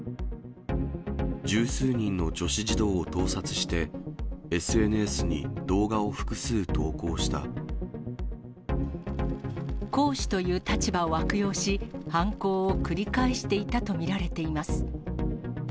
十数人の女子児童を盗撮して、講師という立場を悪用し、犯行を繰り返していたと見られています。